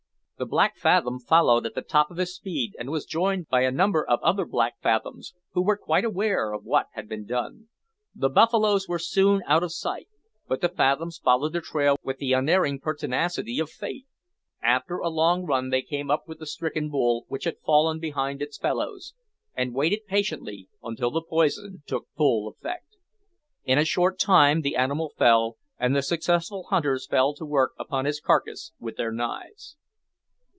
The black fathom followed at the top of his speed, and was joined by a number of other black fathoms, who were quite aware of what had been done. The buffaloes were soon out of sight, but the fathoms followed the trail with the unerring pertinacity of fate. After a long run they came up with the stricken bull, which had fallen behind its fellows, and waited patiently until the poison took full effect. In a short time the animal fell, and the successful hunters fell to work upon his carcase with their knives.